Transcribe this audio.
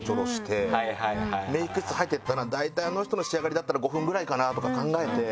メイク室入ってったら大体あの人の仕上がりだったら５分ぐらいかな？とか考えて。